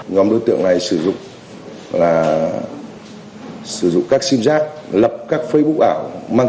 nhóm đối tượng này sử dụng là sử dụng các sim giác lập các facebook ảo